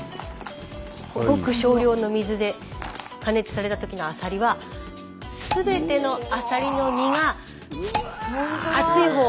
ごく少量の水で加熱された時のアサリは全てのアサリの身が熱いほうを離れて。